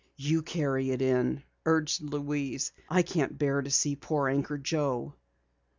"You carry it in," urged Louise. "I can't bear to see poor Anchor Joe."